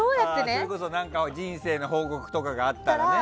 それこそ人生の報告とかがあったらね。